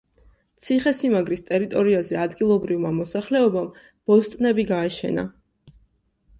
ციხესიმაგრის ტერიტორიაზე ადგილობრივმა მოსახლეობამ ბოსტნები გააშენა.